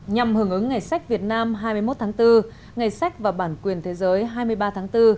nhằm hưởng ứng ngày sách việt nam hai mươi một tháng bốn ngày sách và bản quyền thế giới hai mươi ba tháng bốn